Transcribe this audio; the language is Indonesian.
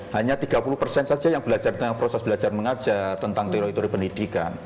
hanya tiga puluh persen saja yang belajar tentang proses belajar mengajar tentang teori teori pendidikan